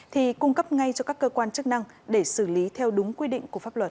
thì cung cấp ngay cho các cơ quan chức năng để xử lý theo đúng quy định của pháp luật